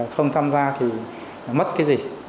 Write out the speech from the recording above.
không tham gia thì mất cái gì